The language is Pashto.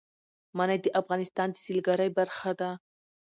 منی د افغانستان د سیلګرۍ برخه ده.